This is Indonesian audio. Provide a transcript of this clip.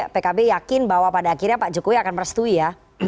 pkb yakin bahwa pada akhirnya pak jokowi akan merestui ya